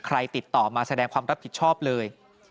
ติดต่อมาแสดงความรับผิดชอบเลย